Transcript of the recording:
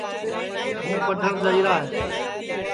ہوں پڈھر جائیرا ہے